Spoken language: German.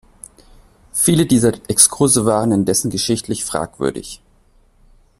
Viele dieser Exkurse waren indessen geschichtlich fragwürdig.